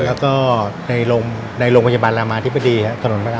แล้วก็ในโรงพยาบาลรามาธิบดีถนนพระรา